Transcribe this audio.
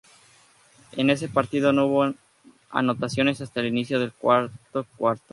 En ese partido no hubo anotaciones hasta el inicio del cuarto cuarto.